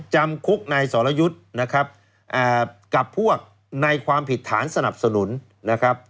จำคุกในสรยุทธกับพวกในความผิดฐานสนับสนุน